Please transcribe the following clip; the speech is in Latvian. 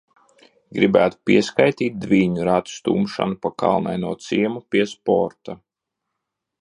Gribētu pieskaitīt dvīņu ratu stumšanu pa kalnaino ciemu pie sporta...